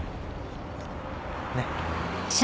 ねっ。